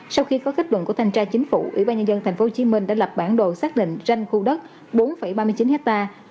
sau khi có kết luận của thanh tra chính phủ ubnd tp hcm đã lập bản đồ xác định ranh khu đất bốn ba mươi chín hectare